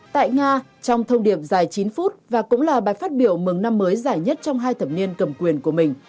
tại nga trong thông điệp dài chín phút và cũng là bài phát biểu mừng năm mới giải nhất trong hai thập niên cầm quyền của mình